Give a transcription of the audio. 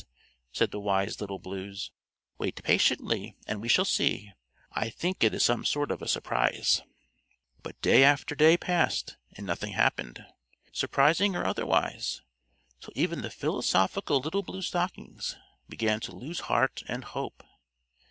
said the wise Little Blues. "Wait patiently and we shall see. I think it is some sort of a surprise." But day after day passed and nothing happened, surprising or otherwise, till even the philosophical Little Blue Stockings began to lose heart and hope.